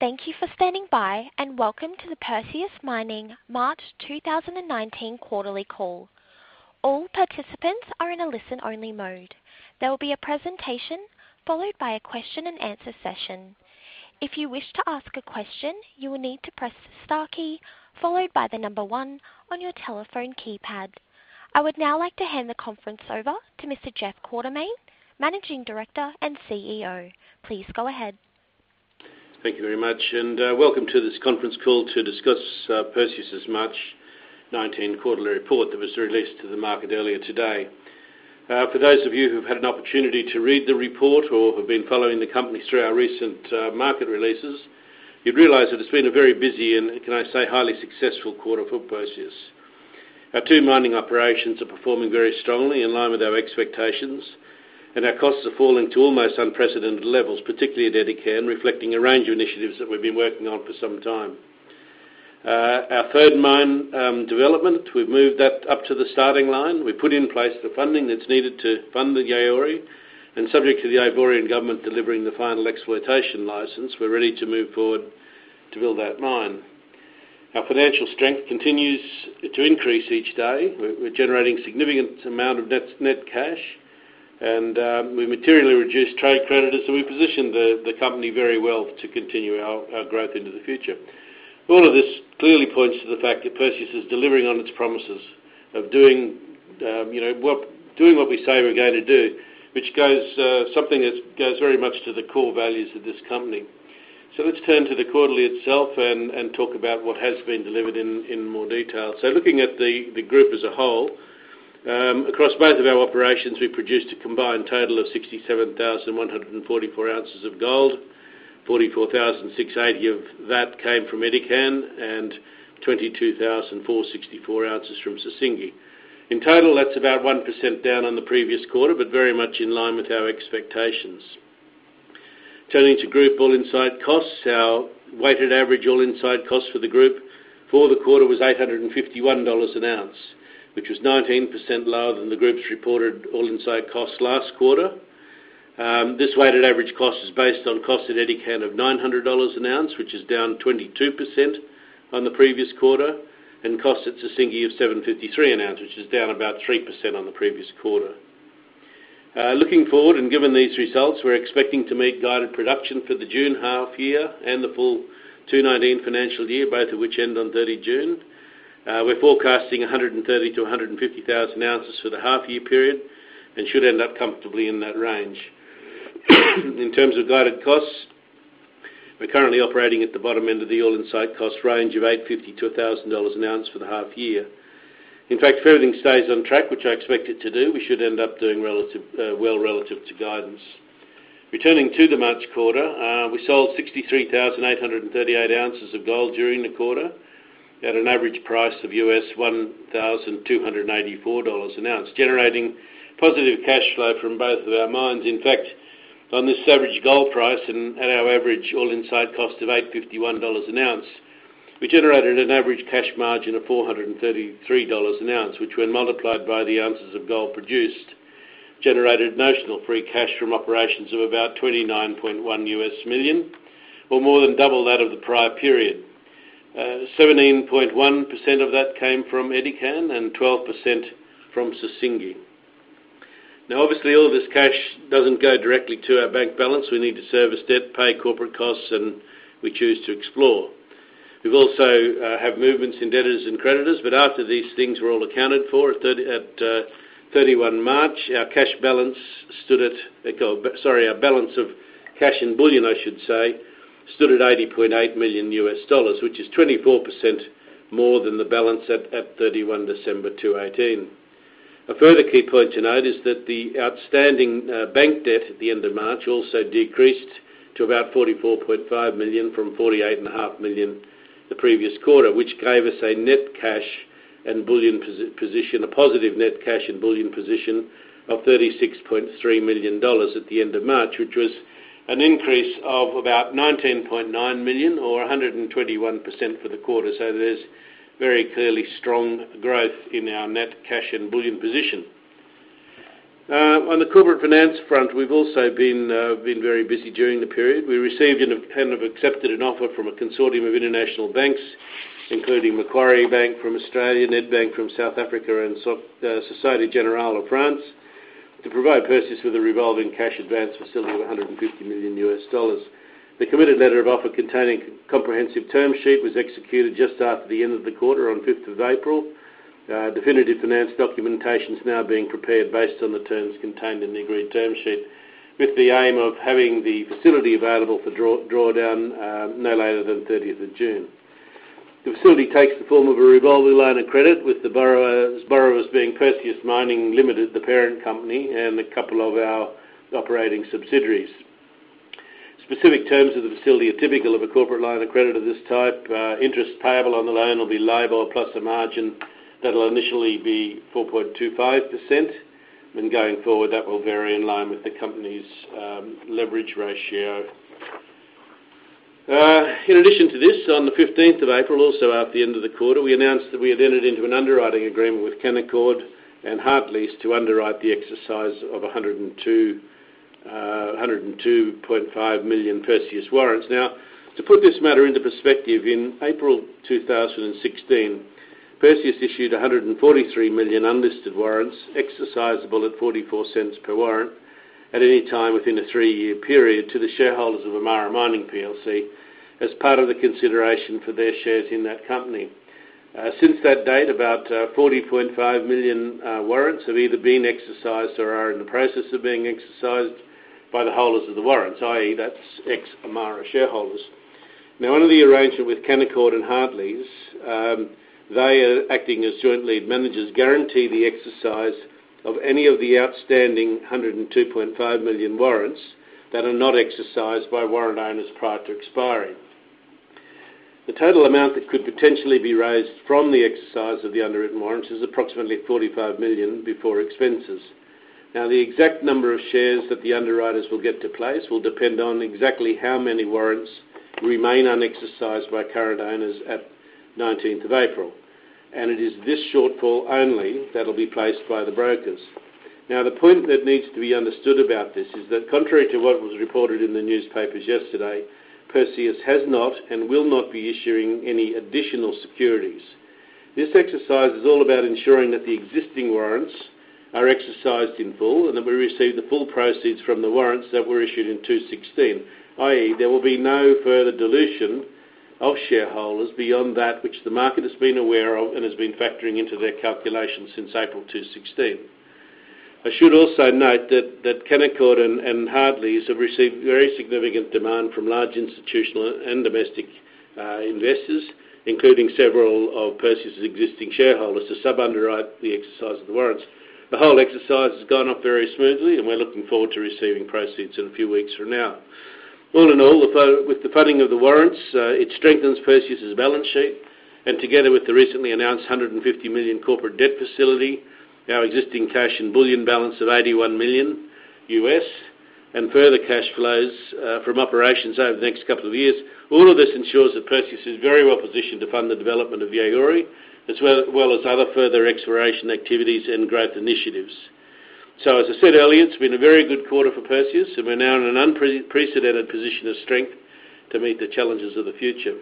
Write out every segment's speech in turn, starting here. Thank you for standing by, and welcome to the Perseus Mining March 2019 Quarterly Call. All participants are in a listen-only mode. There will be a presentation followed by a question-and-answer session. If you wish to ask a question, you will need to press the star key followed by the number one on your telephone keypad. I would now like to hand the conference over to Mr. Jeff Quartermaine, Managing Director and CEO. Please go ahead. Thank you very much, and welcome to this conference call to discuss Perseus' March 2019 Quarterly Report that was released to the market earlier today. For those of you who've had an opportunity to read the report or have been following the company through our recent market releases, you'd realize that it's been a very busy and, can I say, highly successful quarter for Perseus. Our two mining operations are performing very strongly in line with our expectations, and our costs are falling to almost unprecedented levels, particularly at Edikan, reflecting a range of initiatives that we've been working on for some time. Our third mine development, we've moved that up to the starting line. We've put in place the funding that's needed to fund the Yaouré, and subject to the Ivorian government delivering the final exploitation license, we're ready to move forward to build that mine. Our financial strength continues to increase each day. We're generating a significant amount of net cash, and we've materially reduced trade creditors, and we've positioned the company very well to continue our growth into the future. All of this clearly points to the fact that Perseus is delivering on its promises of doing what we say we're going to do, which goes very much to the core values of this company. So let's turn to the quarterly itself and talk about what has been delivered in more detail. So looking at the group as a whole, across both of our operations, we produced a combined total of 67,144 ounces of gold. 44,680 of that came from Edikan, and 22,464 ounces from Sissingué. In total, that's about 1% down on the previous quarter, but very much in line with our expectations. Turning to Group All-In Site Costs, our weighted average All-In Site Costs for the Group for the quarter was $851 an ounce, which was 19% lower than the Group's reported All-In Site Costs last quarter. This weighted average cost is based on cost at Edikan of $900 an ounce, which is down 22% on the previous quarter, and cost at Sissingué of $753 an ounce, which is down about 3% on the previous quarter. Looking forward and given these results, we're expecting to meet guided production for the June half year and the full 2019 financial year, both of which end on 30 June. We're forecasting 130,000-150,000 ounces for the half-year period and should end up comfortably in that range. In terms of guided costs, we're currently operating at the bottom end of the All-In Site Costs range of $850-$1,000 an ounce for the half year. In fact, if everything stays on track, which I expect it to do, we should end up doing well relative to guidance. Returning to the March quarter, we sold 63,838 ounces of gold during the quarter at an average price of $1,284 an ounce, generating positive cash flow from both of our mines. In fact, on this average gold price and at our average all-in site cost of $851 an ounce, we generated an average cash margin of $433 an ounce, which, when multiplied by the ounces of gold produced, generated notional free cash from operations of about $29.1 million, or more than double that of the prior period. 17.1% of that came from Edikan and 12% from Sissingué. Now, obviously, all of this cash doesn't go directly to our bank balance. We need to service debt, pay corporate costs, and we choose to explore. We've also had movements in debtors and creditors, but after these things were all accounted for at 31 March, our cash balance stood at, sorry, our balance of cash in bullion, I should say, stood at $80.8 million, which is 24% more than the balance at 31 December 2018. A further key point to note is that the outstanding bank debt at the end of March also decreased to about $44.5 million from $48.5 million the previous quarter, which gave us a net cash and bullion position, a positive net cash and bullion position of $36.3 million at the end of March, which was an increase of about $19.9 million, or 121% for the quarter. So there's very clearly strong growth in our net cash and bullion position. On the corporate finance front, we've also been very busy during the period. We received and have accepted an offer from a consortium of international banks, including Macquarie Bank from Australia, Nedbank from South Africa, and Société Générale of France, to provide Perseus with a revolving cash advance facility of $150 million. The committed letter of offer containing a comprehensive term sheet was executed just after the end of the quarter on 5th of April. Definitive finance documentation is now being prepared based on the terms contained in the agreed term sheet, with the aim of having the facility available for drawdown no later than 30th of June. The facility takes the form of a revolving loan and credit, with the borrowers being Perseus Mining Limited, the parent company, and a couple of our operating subsidiaries. Specific terms of the facility are typical of a corporate loan and credit of this type. Interest payable on the loan will be LIBOR plus a margin that will initially be 4.25%, and going forward, that will vary in line with the company's leverage ratio. In addition to this, on the 15th of April, also after the end of the quarter, we announced that we had entered into an underwriting agreement with Canaccord and Hartleys to underwrite the exercise of 102.5 million Perseus warrants. Now, to put this matter into perspective, in April 2016, Perseus issued 143 million unlisted warrants, exercisable at 0.44 per warrant, at any time within a three-year period, to the shareholders of Amara Mining PLC as part of the consideration for their shares in that company. Since that date, about 40.5 million warrants have either been exercised or are in the process of being exercised by the holders of the warrants, i.e., that's ex-Amara shareholders. Now, under the arrangement with Canaccord Genuity and Hartleys, they are acting as joint lead managers, guarantee the exercise of any of the outstanding 102.5 million warrants that are not exercised by warrant owners prior to expiring. The total amount that could potentially be raised from the exercise of the underwritten warrants is approximately 45 million before expenses. Now, the exact number of shares that the underwriters will get to place will depend on exactly how many warrants remain unexercised by current owners at 19th of April, and it is this shortfall only that'll be placed by the brokers. Now, the point that needs to be understood about this is that, contrary to what was reported in the newspapers yesterday, Perseus has not and will not be issuing any additional securities. This exercise is all about ensuring that the existing warrants are exercised in full and that we receive the full proceeds from the warrants that were issued in 2016, i.e., there will be no further dilution of shareholders beyond that which the market has been aware of and has been factoring into their calculations since April 2016. I should also note that Canaccord and Hartleys have received very significant demand from large institutional and domestic investors, including several of Perseus' existing shareholders, to sub-underwrite the exercise of the warrants. The whole exercise has gone off very smoothly, and we're looking forward to receiving proceeds in a few weeks from now. All in all, with the funding of the warrants, it strengthens Perseus' balance sheet, and together with the recently announced $150 million corporate debt facility, our existing cash and bullion balance of $81 million, and further cash flows from operations over the next couple of years, all of this ensures that Perseus is very well positioned to fund the development of Yaouré, as well as other further exploration activities and growth initiatives. As I said earlier, it's been a very good quarter for Perseus, and we're now in an unprecedented position of strength to meet the challenges of the future.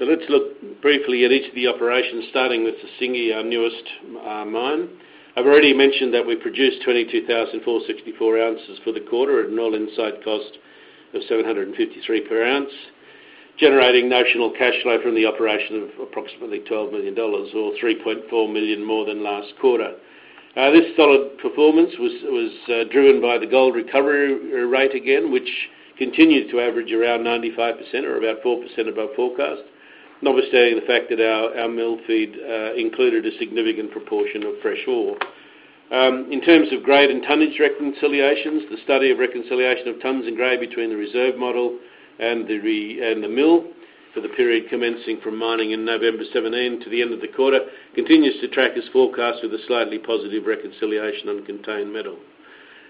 Let's look briefly at each of the operations, starting with Sissingué, our newest mine. I've already mentioned that we produced 22,464 ounces for the quarter at an All-In Site Costs of $753 per ounce, generating notional cash flow from the operation of approximately $12 million, or $3.4 million more than last quarter. This solid performance was driven by the gold recovery rate again, which continued to average around 95%, or about 4% above forecast, notwithstanding the fact that our mill feed included a significant proportion of fresh ore. In terms of grade and nage reconciliations, the study of reconciliation of tonnes and grade between the reserve model and the mill for the period commencing from mining in November 2017 to the end of the quarter continues to track as forecast with a slightly positive reconciliation on contained metal.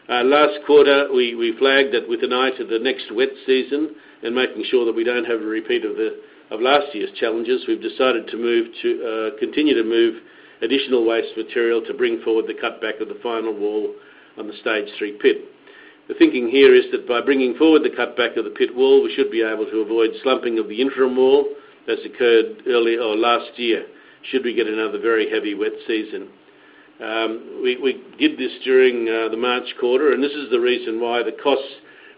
Last quarter, we flagged that with an eye to the next wet season and making sure that we don't have a repeat of last year's challenges, we've decided to continue to move additional waste material to bring forward the cutback of the final wall on the stage three pit. The thinking here is that by bringing forward the cutback of the pit wall, we should be able to avoid slumping of the interim wall as occurred last year should we get another very heavy wet season. We did this during the March quarter, and this is the reason why the costs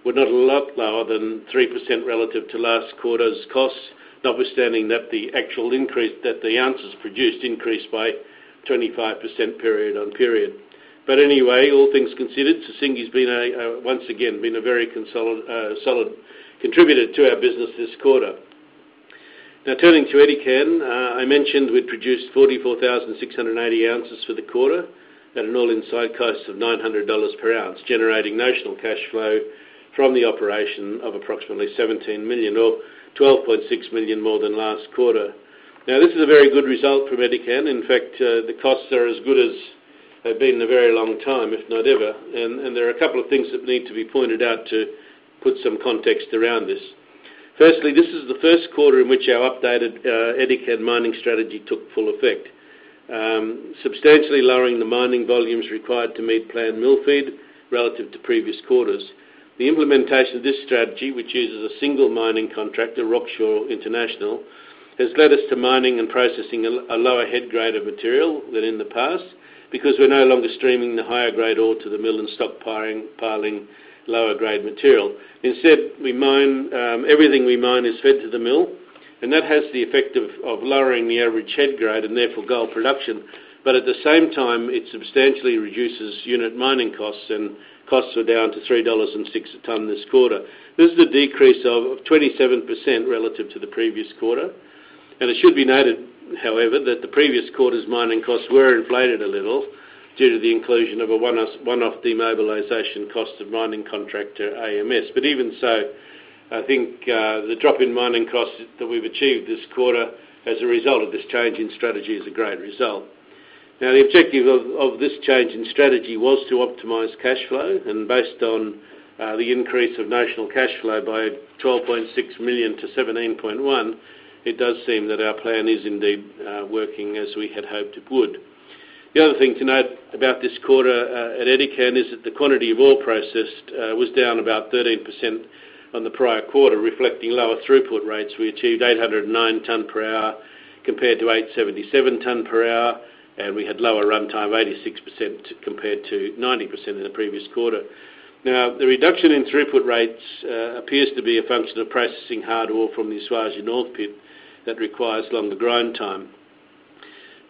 were not a lot lower than 3% relative to last quarter's costs, notwithstanding that the actual increase that the ounces produced increased by 25% period on period. But anyway, all things considered, Sissingué's once again been a very solid contributor to our business this quarter. Now, turning to Edikan, I mentioned we produced 44,680 ounces for the quarter at an all-in site cost of $900 per ounce, generating notional cash flow from the operation of approximately $17 million, or $12.6 million more than last quarter. Now, this is a very good result from Edikan. In fact, the costs are as good as they've been in a very long time, if not ever, and there are a couple of things that need to be pointed out to put some context around this. Firstly, this is the first quarter in which our updated Edikan mining strategy took full effect, substantially lowering the mining volumes required to meet planned mill feed relative to previous quarters. The implementation of this strategy, which uses a single mining contractor, Rocksure International, has led us to mining and processing a lower head grade of material than in the past because we're no longer streaming the higher grade ore to the mill and stockpiling lower grade material. Instead, everything we mine is fed to the mill, and that has the effect of lowering the average head grade and therefore gold production, but at the same time, it substantially reduces unit mining costs, and costs are down to $3.06 a tonne this quarter. This is a decrease of 27% relative to the previous quarter, and it should be noted, however, that the previous quarter's mining costs were inflated a little due to the inclusion of a one-off demobilization cost of mining contractor AMS. But even so, I think the drop in mining costs that we've achieved this quarter as a result of this change in strategy is a great result. Now, the objective of this change in strategy was to optimize cash flow, and based on the increase of notional cash flow by $12.6 million to $17.1 million, it does seem that our plan is indeed working as we had hoped it would. The other thing to note about this quarter at Edikan is that the quantity of ore processed was down about 13% on the prior quarter, reflecting lower throughput rates. We achieved 809 tonne per hour compared to 877 tonne per hour, and we had lower run time, 86% compared to 90% in the previous quarter. Now, the reduction in throughput rates appears to be a function of processing hard ore from the Esuajah North Pit that requires longer grind time.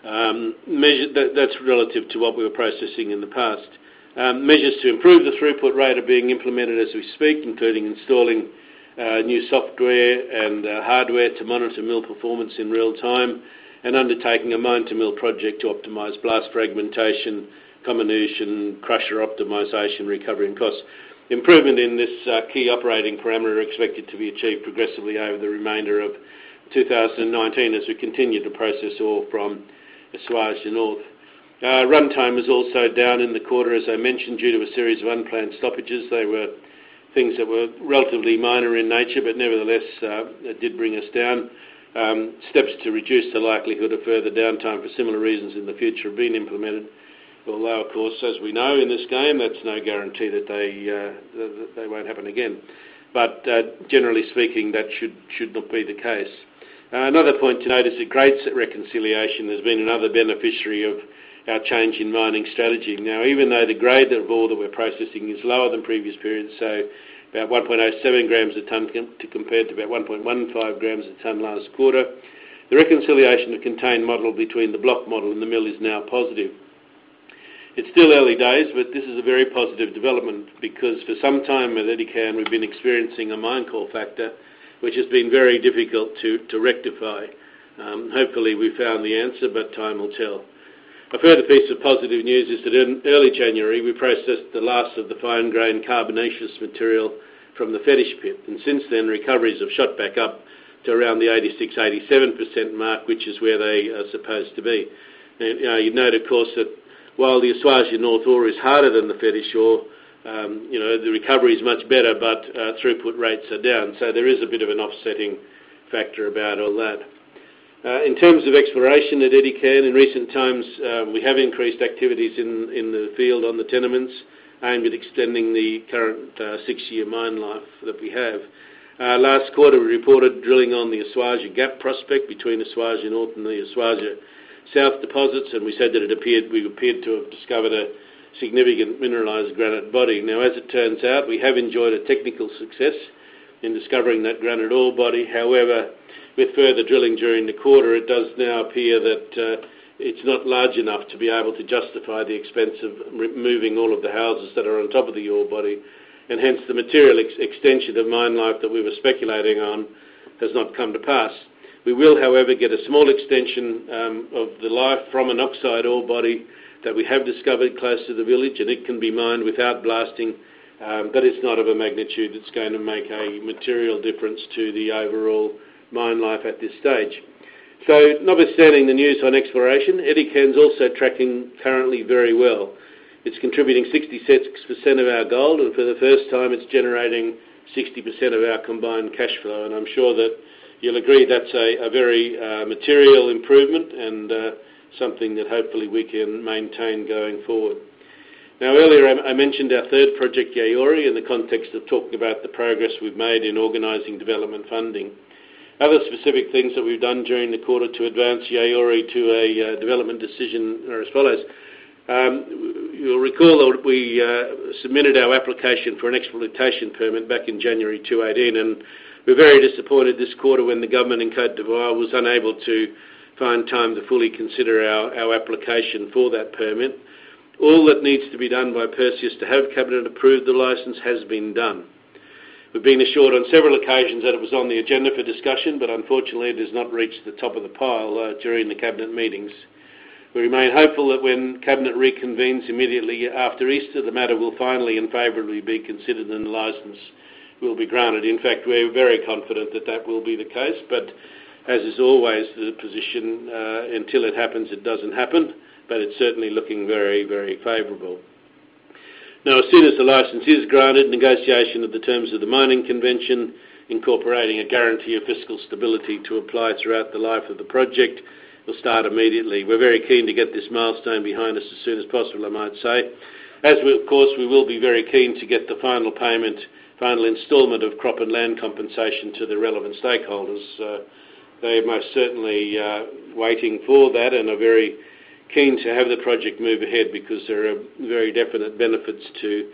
That's relative to what we were processing in the past. Measures to improve the throughput rate are being implemented as we speak, including installing new software and hardware to monitor mill performance in real time and undertaking a mountain mill project to optimize blast fragmentation, comminution, crusher optimization, recovery, and cost. Improvement in this key operating parameter is expected to be achieved progressively over the remainder of 2019 as we continue to process ore from Esuajah North. Run time is also down in the quarter, as I mentioned, due to a series of unplanned stoppages. They were things that were relatively minor in nature, but nevertheless, it did bring us down. Steps to reduce the likelihood of further downtime for similar reasons in the future have been implemented, although, of course, as we know in this game, that's no guarantee that they won't happen again. But generally speaking, that should not be the case. Another point to note is that grade reconciliation has been another beneficiary of our change in mining strategy. Now, even though the grade of ore that we're processing is lower than previous periods, so about 1.07 grams a tonne to compare to about 1.15 grams a ton last quarter, the reconciliation of contained model between the block model and the mill is now positive. It's still early days, but this is a very positive development because for some time at Edikan, we've been experiencing a mine call factor, which has been very difficult to rectify. Hopefully, we found the answer, but time will tell. A further piece of positive news is that in early January, we processed the last of the fine grain carbonaceous material from the Fetish Pit, and since then, recoveries have shot back up to around the 86%-87% mark, which is where they are supposed to be. You'd note, of course, that while the Esuajah North ore is harder than the Fetish ore, the recovery is much better, but throughput rates are down, so there is a bit of an offsetting factor about all that. In terms of exploration at Edikan, in recent times, we have increased activities in the field on the tenements aimed at extending the current six-year mine life that we have. Last quarter, we reported drilling on the Esuajah Gap prospect between Esuajah North and the Esuajah South deposits, and we said that we appeared to have discovered a significant mineralized granite body. Now, as it turns out, we have enjoyed a technical success in discovering that granite ore body. However, with further drilling during the quarter, it does now appear that it's not large enough to be able to justify the expense of removing all of the houses that are on top of the ore body, and hence, the material extension of mine life that we were speculating on has not come to pass. We will, however, get a small extension of the life from an oxide ore body that we have discovered close to the village, and it can be mined without blasting, but it's not of a magnitude that's going to make a material difference to the overall mine life at this stage. So, notwithstanding the news on exploration, Edikan's also tracking currently very well. It's contributing 66% of our gold, and for the first time, it's generating 60% of our combined cash flow, and I'm sure that you'll agree that's a very material improvement and something that hopefully we can maintain going forward. Now, earlier, I mentioned our third project, Yaouré, in the context of talking about the progress we've made in organizing development funding. Other specific things that we've done during the quarter to advance Yaouré to a development decision are as follows. You'll recall that we submitted our application for an exploitation permit back in January 2018, and we're very disappointed this quarter when the government in Côte d'Ivoire was unable to find time to fully consider our application for that permit. All that needs to be done by Perseus to have cabinet approve the license has been done. We've been assured on several occasions that it was on the agenda for discussion, but unfortunately, it has not reached the top of the pile during the cabinet meetings. We remain hopeful that when cabinet reconvenes immediately after Easter, the matter will finally and favorably be considered and the license will be granted. In fact, we're very confident that that will be the case, but as is always the position, until it happens, it doesn't happen, but it's certainly looking very, very favorable. Now, as soon as the license is granted, negotiation of the terms of the mining convention, incorporating a guarantee of fiscal stability to apply throughout the life of the project, will start immediately. We're very keen to get this milestone behind us as soon as possible, I might say. As, of course, we will be very keen to get the final payment, final installment of crop and land compensation to the relevant stakeholders. They are most certainly waiting for that and are very keen to have the project move ahead because there are very definite benefits to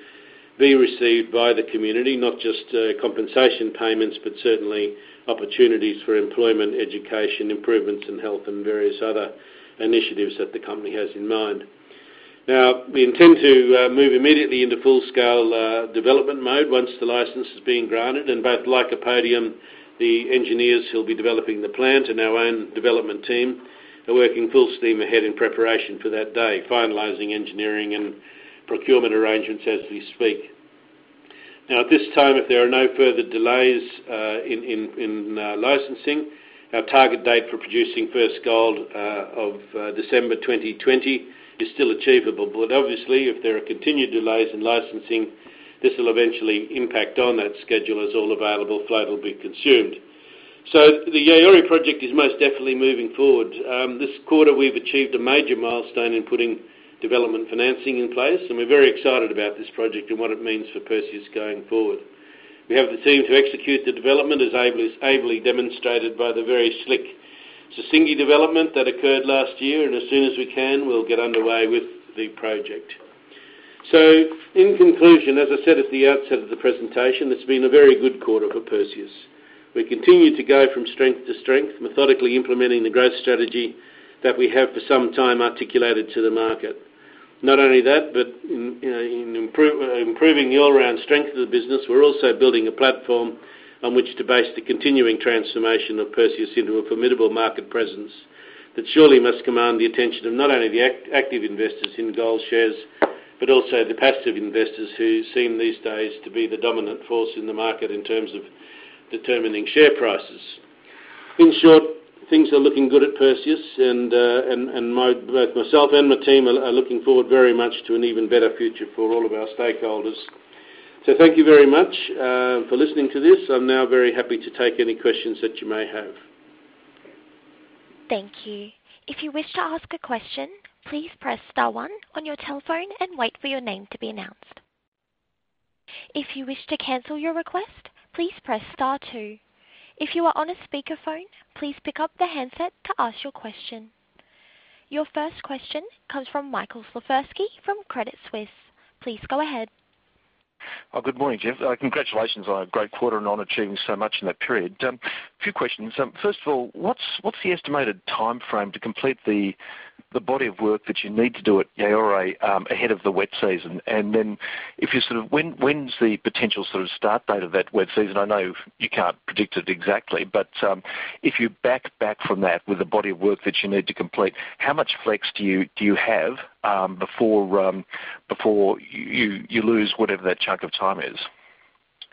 be received by the community, not just compensation payments, but certainly opportunities for employment, education, improvements, and health, and various other initiatives that the company has in mind. Now, we intend to move immediately into full-scale development mode once the license has been granted, and both Lycopodium and the engineers who'll be developing the plant and our own development team are working full steam ahead in preparation for that day, finalizing engineering and procurement arrangements as we speak. Now, at this time, if there are no further delays in licensing, our target date for producing first gold of December 2020 is still achievable, but obviously, if there are continued delays in licensing, this will eventually impact on that schedule as all available flow will be consumed. So, the Yaouré project is most definitely moving forward. This quarter, we've achieved a major milestone in putting development financing in place, and we're very excited about this project and what it means for Perseus going forward. We have the team to execute the development, as ably demonstrated by the very slick Sissingué development that occurred last year, and as soon as we can, we'll get underway with the project. So, in conclusion, as I said at the outset of the presentation, it's been a very good quarter for Perseus. We continue to go from strength to strength, methodically implementing the growth strategy that we have for some time articulated to the market. Not only that, but in improving the all-round strength of the business, we're also building a platform on which to base the continuing transformation of Perseus into a formidable market presence that surely must command the attention of not only the active investors in gold shares, but also the passive investors who seem these days to be the dominant force in the market in terms of determining share prices. In short, things are looking good at Perseus, and both myself and my team are looking forward very much to an even better future for all of our stakeholders. So, thank you very much for listening to this. I'm now very happy to take any questions that you may have. Thank you. If you wish to ask a question, please press star one on your telephone and wait for your name to be announced. If you wish to cancel your request, please press star two. If you are on a speakerphone, please pick up the handset to ask your question. Your first question comes from Michael Slifirski from Credit Suisse. Please go ahead. Good morning, Jeff. Congratulations on a great quarter and on achieving so much in that period. A few questions. First of all, what's the estimated timeframe to complete the body of work that you need to do at Yaouré ahead of the wet season? And then if you sort of, when's the potential sort of start date of that wet season? I know you can't predict it exactly, but if you back from that with the body of work that you need to complete, how much flex do you have before you lose whatever that chunk of time is?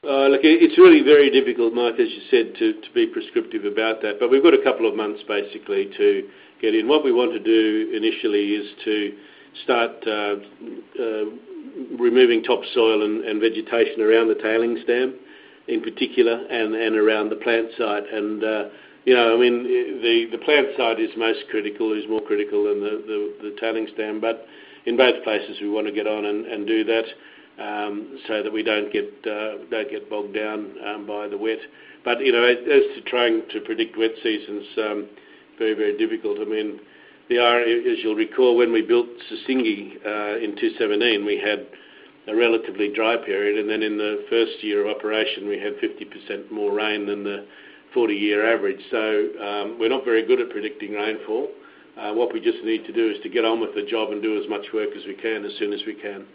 Look, it's really very difficult, Mike, as you said, to be prescriptive about that, but we've got a couple of months basically to get in. What we want to do initially is to start removing topsoil and vegetation around the tailings dam in particular and around the plant site. And I mean, the plant site is most critical, is more critical than the tailings dam, but in both places, we want to get on and do that so that we don't get bogged down by the wet. But as to trying to predict wet seasons, very, very difficult. I mean, as you'll recall, when we built Sissingué in 2017, we had a relatively dry period, and then in the first year of operation, we had 50% more rain than the 40-year average. So, we're not very good at predicting rainfall. What we just need to do is to get on with the job and do as much work as we can as soon as we can.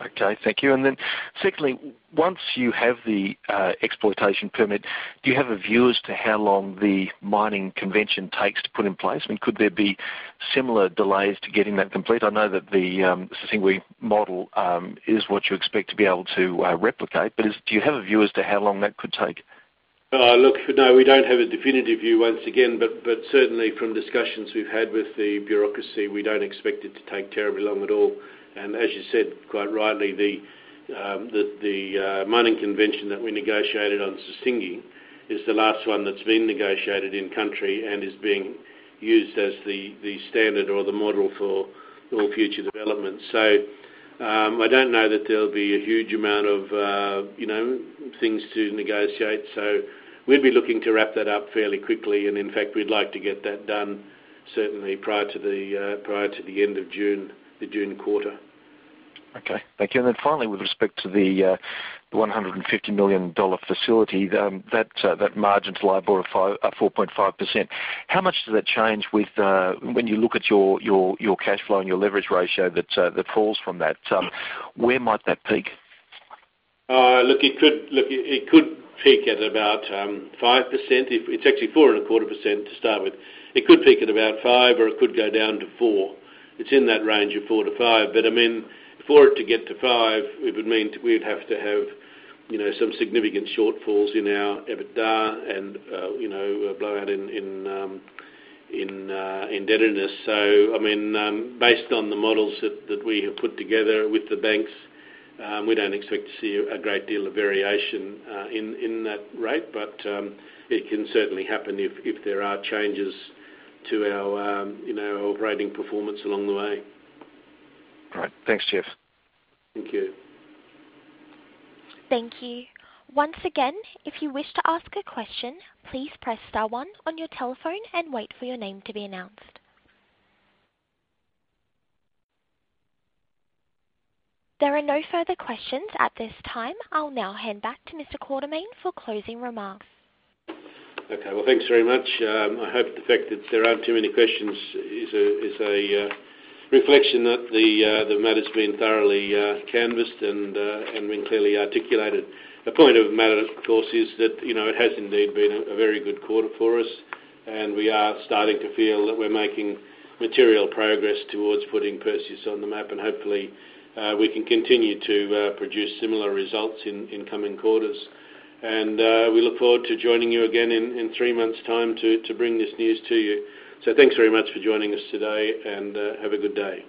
Okay, thank you. And then secondly, once you have the exploitation permit, do you have a view as to how long the mining convention takes to put in place? I mean, could there be similar delays to getting that complete? I know that the Sissingué model is what you expect to be able to replicate, but do you have a view as to how long that could take? Look, no, we don't have a definitive view once again, but certainly from discussions we've had with the bureaucracy, we don't expect it to take terribly long at all. And as you said quite rightly, the Mining Convention that we negotiated on Sissingué is the last one that's been negotiated in country and is being used as the standard or the model for all future development. So, I don't know that there'll be a huge amount of things to negotiate, so we'd be looking to wrap that up fairly quickly, and in fact, we'd like to get that done certainly prior to the end of June, the June quarter. Okay, thank you. And then finally, with respect to the $150 million facility, that margin's LIBOR at 4.5%. How much does that change when you look at your cash flow and your leverage ratio that falls from that? Where might that peak? Look, it could peak at about 5%. It's actually 4.25% to start with. It could peak at about 5% or it could go down to 4%. It's in that range of 4%-5%, but I mean, for it to get to 5%, it would mean we'd have to have some significant shortfalls in our EBITDA and blowout in indebtedness. So, I mean, based on the models that we have put together with the banks, we don't expect to see a great deal of variation in that rate, but it can certainly happen if there are changes to our operating performance along the way. All right, thanks, Jeff. Thank you. Thank you. Once again, if you wish to ask a question, please press star one on your telephone and wait for your name to be announced. There are no further questions at this time. I'll now hand back to Mr. Quartermaine for closing remarks. Okay, well, thanks very much. I hope the fact that there aren't too many questions is a reflection that the matter's been thoroughly canvassed and been clearly articulated. The point of the matter, of course, is that it has indeed been a very good quarter for us, and we are starting to feel that we're making material progress towards putting Perseus on the map, and hopefully, we can continue to produce similar results in coming quarters. And we look forward to joining you again in three months' time to bring this news to you. So, thanks very much for joining us today, and have a good day.